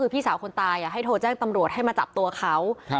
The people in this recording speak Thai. พี่สาวคนตายให้โทรแจ้งตำรวจให้มาจับตัวเขา